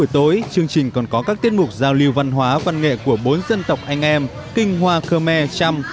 tiết mục giao lưu văn hóa văn nghệ của bốn dân tộc anh em kinh hoa khmer trăm